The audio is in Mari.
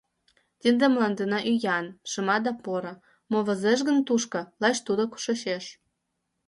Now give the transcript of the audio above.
Тиде мландына ӱян, шыма да поро, Мо возеш гын тушко, лач тудак шочеш.